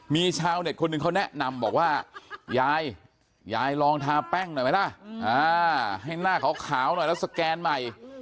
มีชาวเน็ตคนหนึ่งเขาแนะนำบอกว่ายายยายลองทาแป้งหน่อยไหมล่ะให้หน้าขาวหน่อยแล้วสแกนใหม่